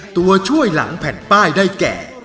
ตัวช่วยหลังแผ่นป้ายได้แก่